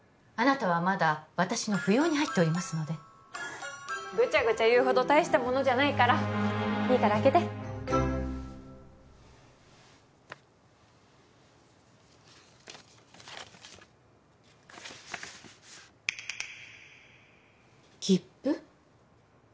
あなたはまだ私の扶養に入っておりますのでぐちゃぐちゃ言うほど大した物じゃないからいいから開けて切符？